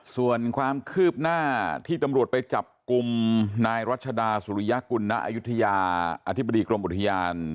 ส่วนความคืบหน้าที่ตำรวจไปจับกลุ่มนายรัชดาสุริยกุลณอายุทยาอธิบดีกรมอุทยาน